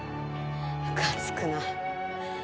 むかつくな。